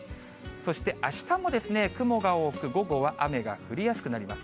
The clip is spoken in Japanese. そして、あしたも雲が多く、午後は雨が降りやすくなります。